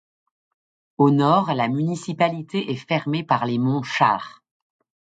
Au nord, la municipalité est fermée par les monts Char.